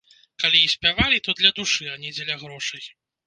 Калі і спявалі, то для душы, а не дзеля грошай.